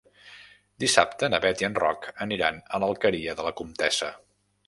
Dissabte na Bet i en Roc aniran a l'Alqueria de la Comtessa.